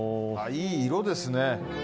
いい色ですね。